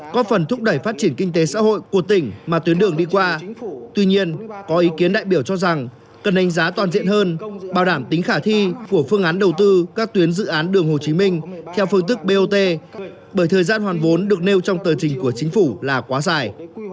có phần thúc đẩy phát triển kinh tế xã hội của tỉnh mà tuyến đường đi qua tuy nhiên có ý kiến đại biểu cho rằng cần đánh giá toàn diện hơn bảo đảm tính khả thi của phương án đầu tư các tuyến dự án đường hồ chí minh theo phương thức bot bởi thời gian hoàn vốn được nêu trong tờ trình của chính phủ là quá dài